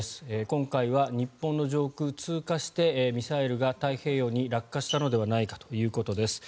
今回は日本の上空、通過してミサイルが太平洋に落下したのではないかということです。